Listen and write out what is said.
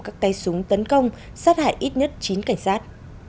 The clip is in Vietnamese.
các tay súng tấn công sát hại ít nhất chín cảnh sát